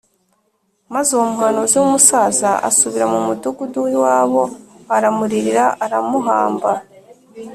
maze uwo muhanuzi w’umusaza asubira mu mudugudu w’iwabo, aramuririra aramuhamba